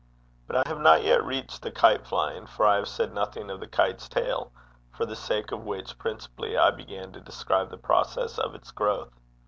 But I have not yet reached the kite flying, for I have said nothing of the kite's tail, for the sake of which principally I began to describe the process of its growth.